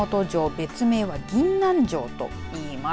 別名は銀杏城といいます。